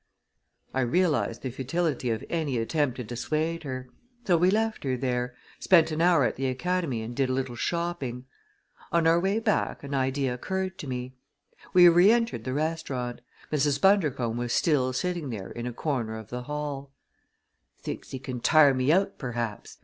I realized the futility of any attempt to dissuade her; so we left her there, spent an hour at the Academy and did a little shopping. On our way back an idea occurred to me. We reentered the restaurant. Mrs. Bundercombe was still sitting there in a corner of the hall. "Thinks he can tire me out, perhaps!"